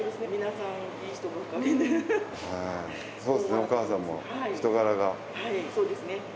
そうっすね。